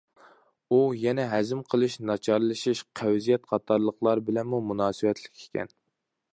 ئۇ يەنە ھەزىم قىلىش ناچارلىشىش، قەۋزىيەت قاتارلىقلار بىلەنمۇ مۇناسىۋەتلىك ئىكەن.